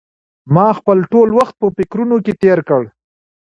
ما خپل ټول وخت په فکرونو کې تېر کړ.